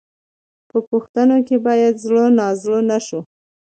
په پوښتنو کې باید زړه نازړه نه شو.